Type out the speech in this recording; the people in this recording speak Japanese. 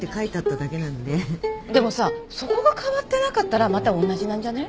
でもさそこが変わってなかったらまたおんなじなんじゃね？